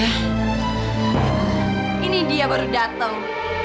fah ini dia baru dateng